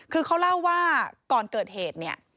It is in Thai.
คือเขาเล่าว่าก่อนเกิดเหตุเนี่ย